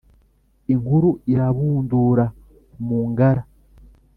Inkuru irabundura mu Ngara